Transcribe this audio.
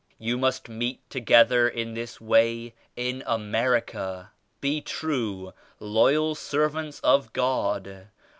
You must meet together in this way in America. Be true, loyal servants of God.